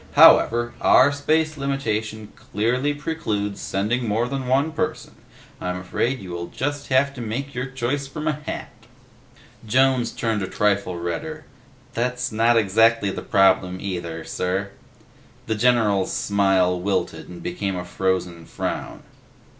However, our space limitation clearly precludes sending more than one person. I'm afraid you will just have to make your choice from a hat." Jones turned a trifle redder. "That's not exactly the problem, either, sir." The general's smile wilted and became a frozen frown.